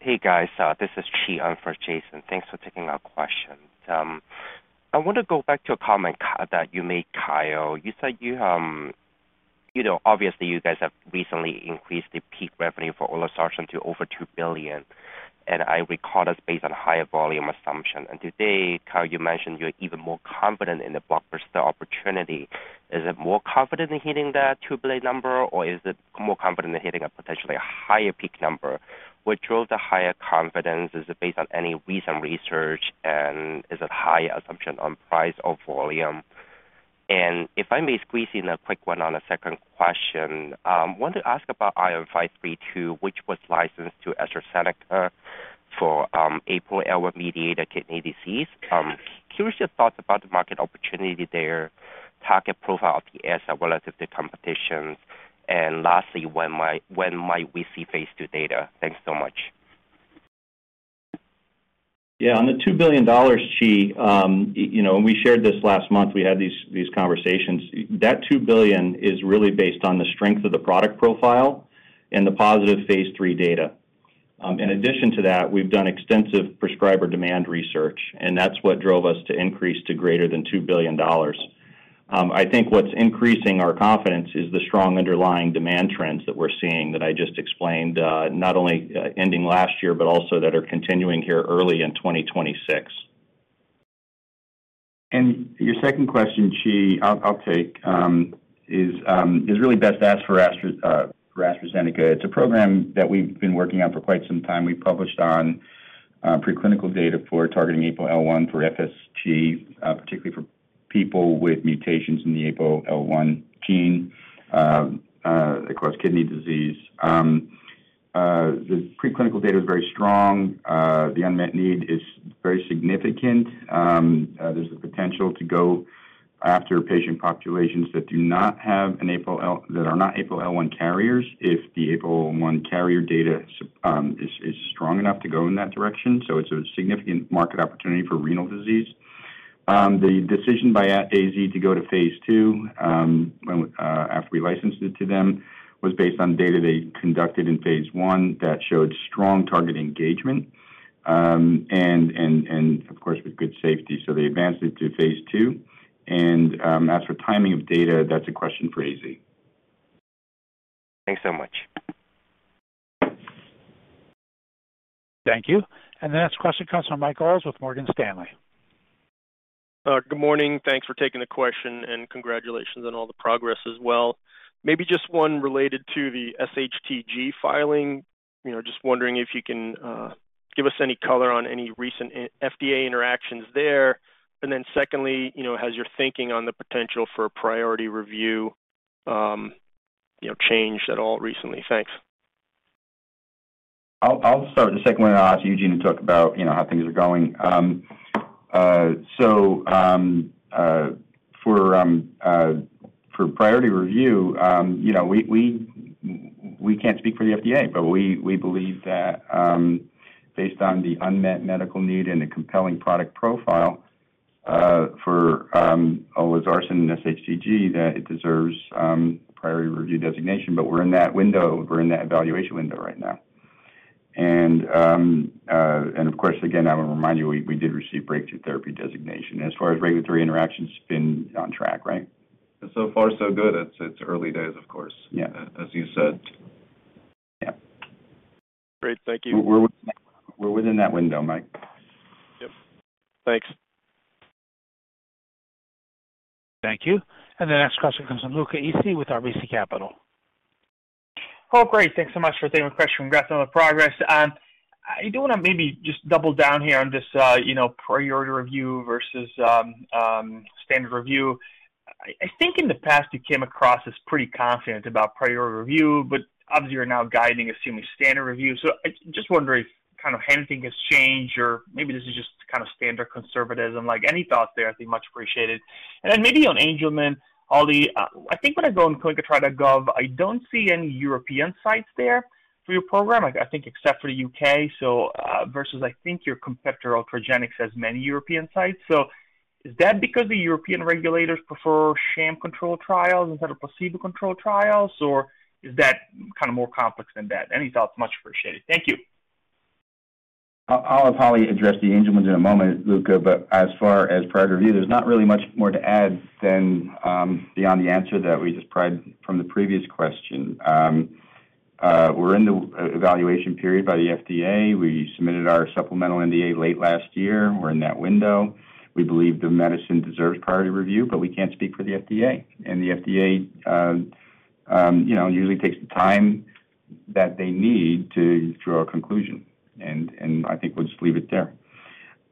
Hey, guys, this is Chi. I'm for Jason. Thanks for taking our question. I want to go back to a comment that you made, Kyle. You said you know, obviously you guys have recently increased the peak revenue for olezarsen to over $2 billion, and I recall this based on higher volume assumption. Today, Kyle, you mentioned you're even more confident in the blockbuster opportunity. Is it more confident in hitting that $2 billion number, or is it more confident in hitting a potentially higher peak number? What drove the higher confidence? Is it based on any recent research, and is it high assumption on price or volume? If I may squeeze in a quick one on a second question, want to ask about ION532 which was licensed to AstraZeneca for APOL1-mediated kidney disease. Curious your thoughts about the market opportunity there, target profile of the S as well as the competitions. Lastly, when might we see phase 2 data? Thanks so much. Yeah, on the $2 billion, Chi, you know, when we shared this last month, we had these conversations. That $2 billion is really based on the strength of the product profile and the positive phase 3 data. In addition to that, we've done extensive prescriber demand research, and that's what drove us to increase to greater than $2 billion. I think what's increasing our confidence is the strong underlying demand trends that we're seeing that I just explained, not only ending last year, but also that are continuing here early in 2026. Your second question, Chi, I'll take, is really best asked for AstraZeneca. It's a program that we've been working on for quite some time. We published on preclinical data for targeting APOL1 for FSGS, particularly for people with mutations in the APOL1 gene, of course, kidney disease. The preclinical data is very strong. The unmet need is very significant. There's the potential to go after patient populations that are not APOL1 carriers, if the APOL1 carrier data is strong enough to go in that direction. It's a significant market opportunity for renal disease. The decision by at AZ to go to phase 2, after we licensed it to them, was based on data they conducted in phase 1 that showed strong target engagement, and of course, with good safety. They advanced it to phase 2, and as for timing of data, that's a question for AZ. Thanks so much. Thank you. The next question comes from Michael Ulz with Morgan Stanley. Good morning. Thanks for taking the question. Congratulations on all the progress as well. Maybe just one related to the sHTG filing. You know, just wondering if you can give us any color on any recent FDA interactions there. Secondly, you know, has your thinking on the potential for a priority review, you know, changed at all recently? Thanks. I'll start the second one, and I'll ask Eugene to talk about, you know, how things are going. For priority review, you know, we can't speak for the FDA, but we believe that, based on the unmet medical need and the compelling product profile, for Olezarsen and sHTG, that it deserves priority review designation. We're in that window, we're in that evaluation window right now. Of course, again, I will remind you, we did receive breakthrough therapy designation. As far as regulatory interaction, it's been on track, right? So far, so good. It's early days, of course. Yeah, as you said. Yeah. Great, thank you. We're within that window, Mike. Yep. Thanks. Thank you. The next question comes from Luca Issi with RBC Capital. Great. Thanks so much for taking my question. Congrats on the progress. I do wanna maybe just double down here on this, you know, priority review versus standard review. I think in the past, you came across as pretty confident about priority review, but obviously you're now guiding assuming standard review. I just wondering if kind of anything has changed or maybe this is just kind of standard conservatism, like, any thoughts there, I think much appreciated. Maybe on Angelman, Holly, I think when I go on ClinicalTrials.gov, I don't see any European sites there for your program, I think, except for the U.K. Versus I think your competitor, Progenics, has many European sites. Is that because the European regulators prefer sham control trials instead of placebo-controlled trials, or is that kind of more complex than that? Any thoughts, much appreciated. Thank you. I'll have Holly address the Angelman in a moment, Luca, but as far as priority review, there's not really much more to add than beyond the answer that we just provided from the previous question. We're in the evaluation period by the FDA. We submitted our supplemental NDA late last year. We're in that window. We believe the medicine deserves priority review, but we can't speak for the FDA. The FDA, you know, usually takes the time that they need to draw a conclusion, and I think we'll just leave it there.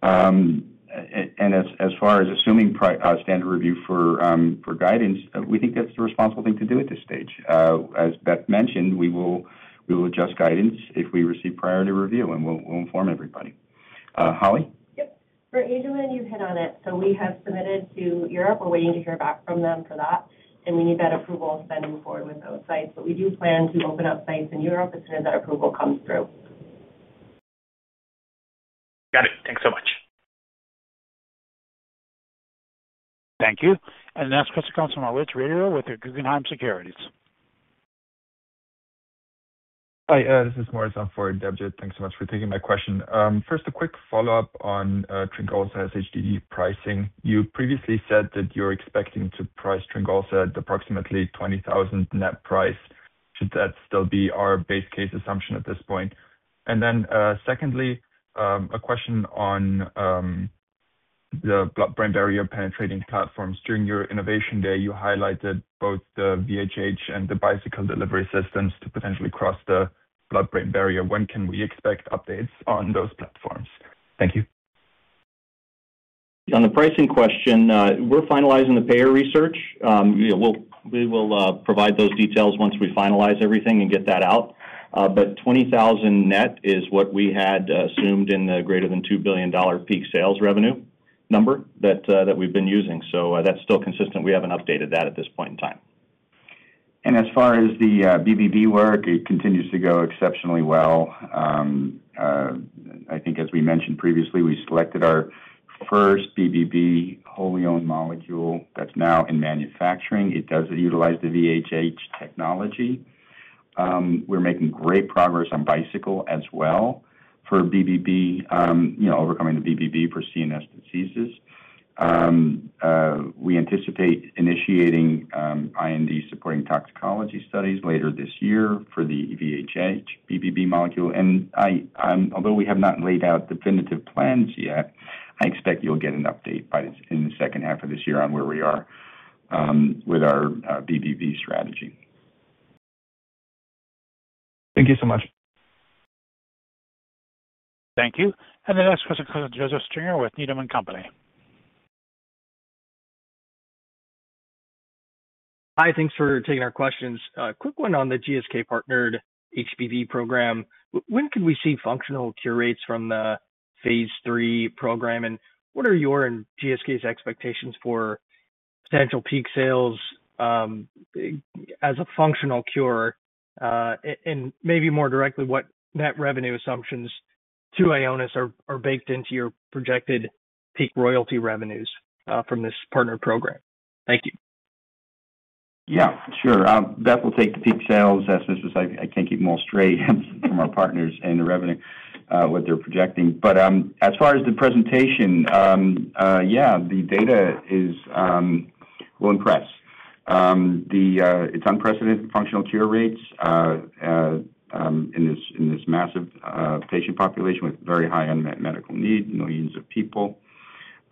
As far as assuming standard review for guidance, we think that's the responsible thing to do at this stage. As Beth mentioned, we will adjust guidance if we receive priority review, and we'll inform everybody. Holly? Yep. For Angelman, you've hit on it. We have submitted to Europe. We're waiting to hear back from them for that, and we need that approval then to move forward with those sites. We do plan to open up sites in Europe as soon as that approval comes through. Got it. Thanks so much. Thank you. The next question comes from Maurice Riario with Guggenheim Securities. Hi, this is Maurice Riario for Debjit. Thanks so much for taking my question. First, a quick follow-up on TRYNGOLZA sHTG pricing. You previously said that you're expecting to price TRYNGOLZA at approximately $20,000 net price. Should that still be our base case assumption at this point? Secondly, a question on the blood-brain barrier penetrating platforms. During your Innovation Day, you highlighted both the VHH and the Bicycle delivery systems to potentially cross the blood-brain barrier. When can we expect updates on those platforms? Thank you. On the pricing question, we're finalizing the payer research. Yeah, we will provide those details once we finalize everything and get that out. $20,000 net is what we had assumed in the greater than $2 billion peak sales revenue number that we've been using. That's still consistent. We haven't updated that at this point in time. As far as the BBB work, it continues to go exceptionally well. I think as we mentioned previously, we selected our first BBB wholly owned molecule that's now in manufacturing. It does utilize the VHH technology. We're making great progress on Bicycle as well for BBB, you know, overcoming the BBB for CNS diseases. We anticipate initiating IND-supporting toxicology studies later this year for the VHH BBB molecule. Although we have not laid out definitive plans yet, I expect you'll get an update by this, in the second half of this year on where we are with our BBB strategy. Thank you so much. Thank you. The next question comes from Joseph Stringer with Needham & Company. Hi, thanks for taking our questions. A quick one on the GSK partnered HBV program. When could we see functional cure rates from the phase 3 program? What are your and GSK's expectations for potential peak sales as a functional cure? Maybe more directly, what net revenue assumptions to Ionis are baked into your projected peak royalty revenues from this partner program? Thank you. Yeah, sure. Beth will take the peak sales estimates because I can't keep them all straight from our partners and the revenue, what they're projecting. As far as the presentation, yeah, the data is well, impressed. It's unprecedented functional cure rates in this massive patient population with very high unmet medical needs, millions of people.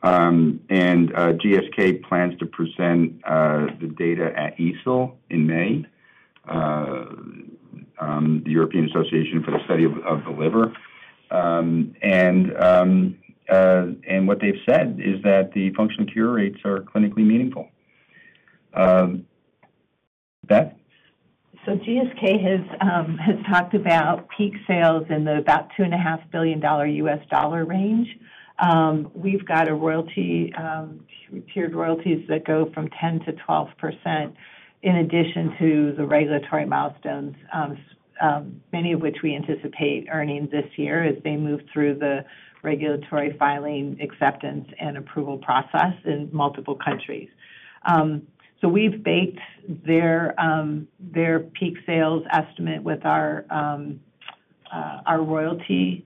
GSK plans to present the data at EASL in May, the European Association for the Study of the Liver. What they've said is that the functional cure rates are clinically meaningful. Beth? GSK has talked about peak sales in the about $2.5 billion range. We've got a royalty, tiered royalties that go from 10%-12% in addition to the regulatory milestones, many of which we anticipate earning this year as they move through the regulatory filing, acceptance, and approval process in multiple countries. We've baked their peak sales and our royalties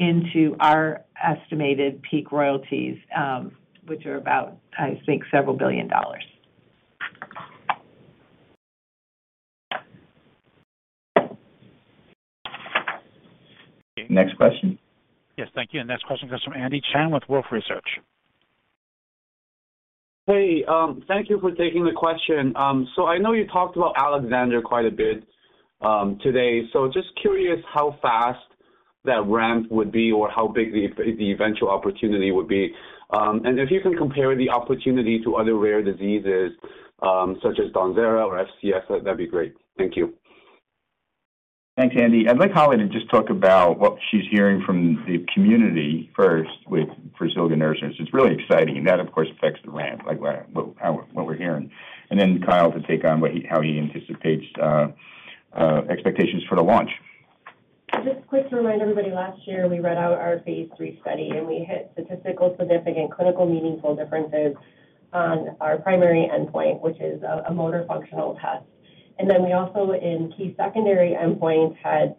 into our estimated peak royalties, which are about, I think, several billion dollars. Next question. Yes, thank you. Next question comes from Andy Chan with Wolfe Research. Hey, thank you for taking the question. I know you talked about Alexander quite a bit today. Just curious how fast that ramp would be or how big the eventual opportunity would be. If you can compare the opportunity to other rare diseases, such as DAWNZERA or FCS, that'd be great. Thank you. Thanks, Andy. I'd like Holly to just talk about what she's hearing from the community first with, for zilganersen. It's really exciting, and that, of course, affects the ramp, what we're hearing. Kyle to take on how he anticipates expectations for the launch. Just quick to remind everybody, last year, we read out our phase 3 study. We hit statistically significant clinical meaningful differences on our primary endpoint, which is a motor functional test. We also, in key secondary endpoints, had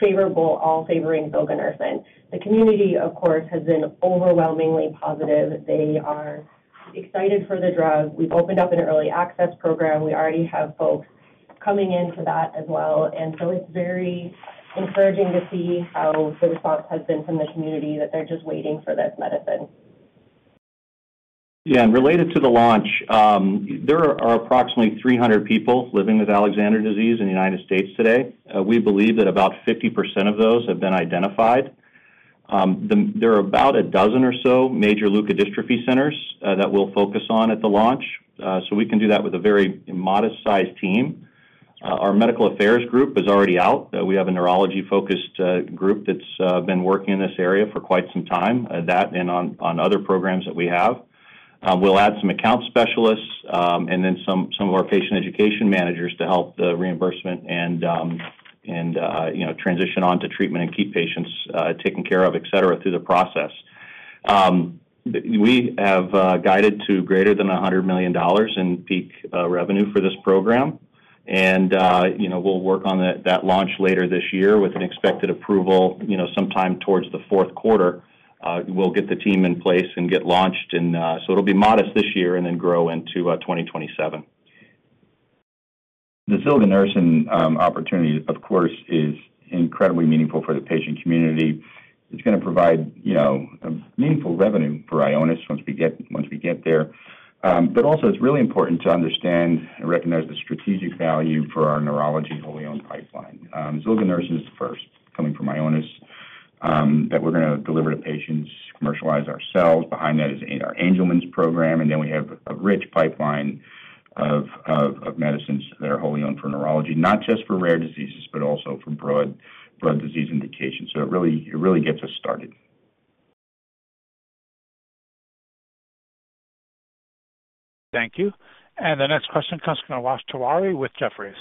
favorable, all favoring zilganersen. The community, of course, has been overwhelmingly positive. They are excited for the drug. We've opened up an early access program. We already have folks coming in for that as well. It's very encouraging to see how the response has been from the community, that they're just waiting for this medicine. Related to the launch, there are approximately 300 people living with Alexander disease in the United States today. We believe that about 50% of those have been identified. There are about a dozen or so major leukodystrophy centers that we'll focus on at the launch, so we can do that with a very modest-sized team. Our medical affairs group is already out. We have a neurology-focused group that's been working in this area for quite some time that and on other programs that we have. We'll add some account specialists, and then some of our patient education managers to help the reimbursement and, you know, transition on to treatment and keep patients taken care of, et cetera, through the process. We have guided to greater than $100 million in peak revenue for this program, you know, we'll work on that launch later this year with an expected approval, you know, sometime towards the fourth quarter. We'll get the team in place and get launched in. It'll be modest this year and then grow into 2027. The zilganersen opportunity, of course, is incredibly meaningful for the patient community. It's gonna provide, you know, a meaningful revenue for Ionis once we get there. Also it's really important to understand and recognize the strategic value for our neurology wholly owned pipeline. zilganersen is the first coming from Ionis that we're gonna deliver to patients, commercialize ourselves. Behind that is our Angelman's program, then we have a rich pipeline of medicines that are wholly owned for neurology, not just for rare diseases, but also for broad disease indications. It really gets us started. Thank you. The next question comes from Akash Tewari with Jefferies.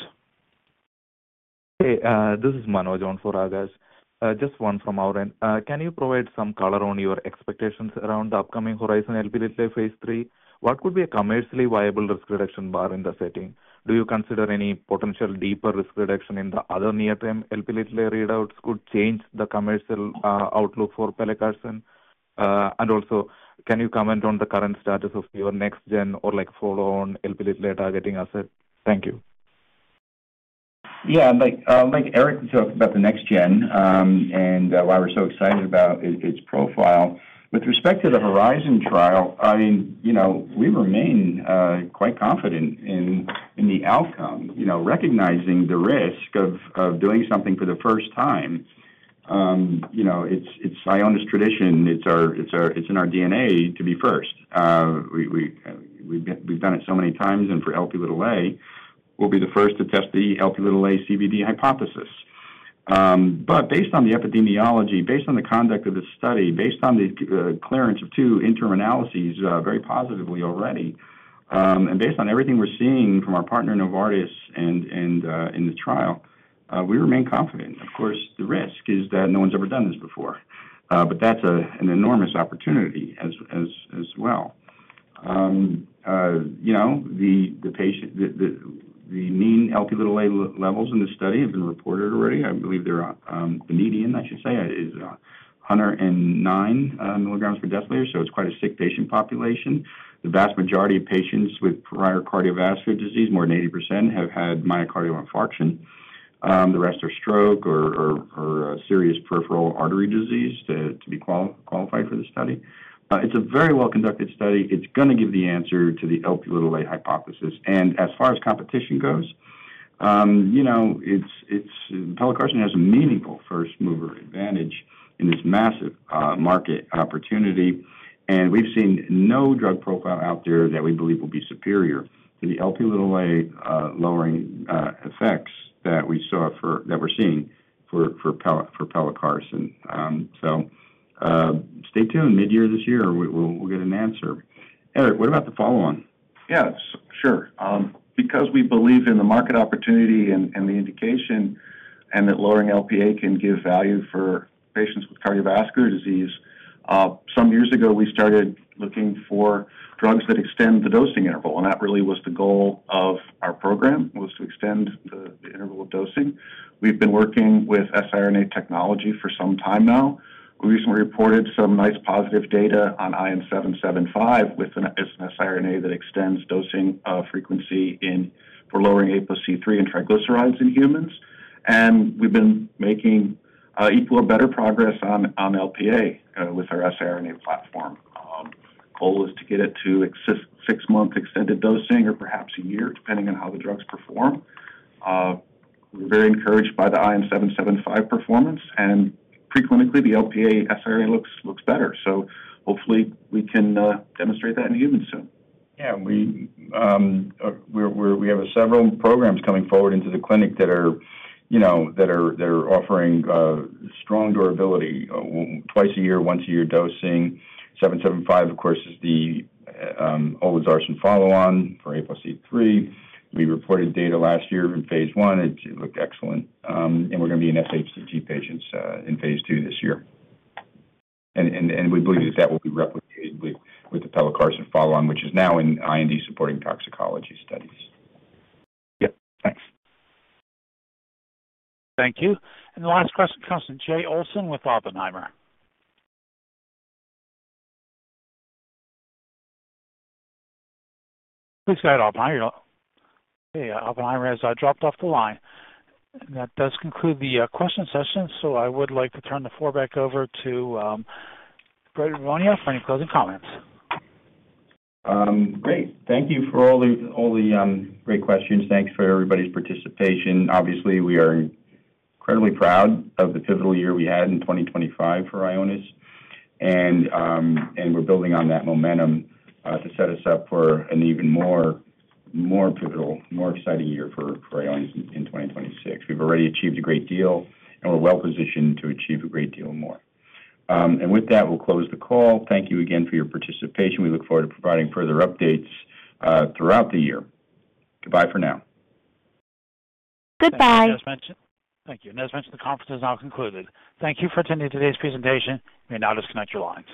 Hey, this is Manoj on for Akash Tewari. Just one from our end. Can you provide some color on your expectations around the upcoming HORIZON Lp(a) phase 3? What could be a commercially viable risk reduction bar in the setting? Do you consider any potential deeper risk reduction in the other near-term Lp(a) readouts could change the commercial outlook for Pelacarsen? Also, can you comment on the current status of your next-gen or, like, follow-on Lp(a) targeting asset? Thank you. Like, like Eric talked about the next-gen, and why we're so excited about its profile. With respect to the HORIZON trial, I mean, you know, we remain quite confident in the outcome. You know, recognizing the risk of doing something for the first time, you know, it's Ionis tradition. It's in our DNA to be first. We've done it so many times, and for Lp, we'll be the first to test the Lp CVD hypothesis. Based on the epidemiology, based on the conduct of the study, based on the clearance of two interim analyses, very positively already, and based on everything we're seeing from our partner, Novartis, in the trial, we remain confident. Of course, the risk is that no one's ever done this before, but that's an enormous opportunity as well. You know, the patient, the mean Lp levels in this study have been reported already. I believe they're, the median, I should say, is 109 milligrams per deciliter, so it's quite a sick patient population. The vast majority of patients with prior cardiovascular disease, more than 80%, have had myocardial infarction. The rest are stroke or serious peripheral artery disease to be qualified for the study. It's a very well-conducted study. It's gonna give the answer to the Lp hypothesis. As far as competition goes, you know, it's pelacarsen has a meaningful first mover advantage in this massive market opportunity. We've seen no drug profile out there that we believe will be superior to the Lp(a) lowering effects that we're seeing for Pelacarsen. Stay tuned. Midyear this year, we'll get an answer. Eric, what about the follow-on? Yes, sure. Because we believe in the market opportunity and the indication, and that lowering Lp(a) can give value for patients with cardiovascular disease, some years ago, we started looking for drugs that extend the dosing interval. That really was the goal of our program, was to extend the interval of dosing. We've been working with siRNA technology for some time now. We recently reported some nice positive data on ION775, it's an siRNA that extends dosing frequency in for lowering ApoC-III and triglycerides in humans. We've been making equal or better progress on Lp(a) with our siRNA platform. Goal is to get it to 6-month extended dosing or perhaps a year, depending on how the drugs perform. We're very encouraged by the ION775 performance, and preclinically, the Lp(a) siRNA looks better. Hopefully we can demonstrate that in humans soon. Yeah, we have several programs coming forward into the clinic that are, you know, that are offering strong durability, twice a year, once a year dosing. ION775, of course, is the Olezarsen follow-on for ApoC-III. We reported data last year in phase 1. It looked excellent. We're gonna be in sHTG patients in phase 2 this year. We believe that will be replicated with the Pelacarsen follow-on, which is now in IND-supporting toxicology studies. Yep, thanks. Thank you. The last question comes from Jay Olson with Oppenheimer. We've got Oppenheimer. Okay, Oppenheimer has dropped off the line. That does conclude the question session, so I would like to turn the floor back over to Brett Monia for any closing comments. Great. Thank you for all the great questions. Thanks for everybody's participation. Obviously, we are incredibly proud of the pivotal year we had in 2025 for Ionis, and we're building on that momentum, to set us up for an even more pivotal, more exciting year for Ionis in 2026. We've already achieved a great deal, and we're well-positioned to achieve a great deal more. With that, we'll close the call. Thank you again for your participation. We look forward to providing further updates, throughout the year. Goodbye for now. Goodbye. Thank you. As mentioned, the conference is now concluded. Thank you for attending today's presentation. You may now disconnect your line.